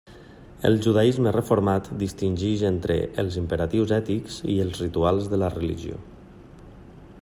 El judaisme reformat distingeix entre els imperatius ètics i els rituals de la religió.